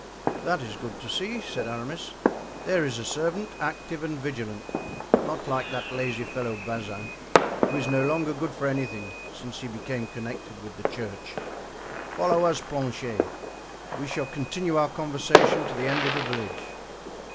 "That is good to see," said Aramis. "There is a servant active and vigilant, not like that lazy fellow Bazin, who is no longer good for anything since he became connected with the church. Follow us, Planchet; we shall continue our conversation to the end of the village."